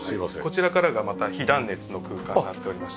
こちらからがまた非断熱の空間になっておりまして。